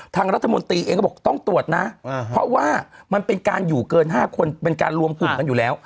ทางรัฐมนตรีเองก็บอกต้องตรวจนะเพราะว่ามันเป็นการอยู่เกิน๕คนเป็นการรวมกลุ่มกันอยู่แล้ว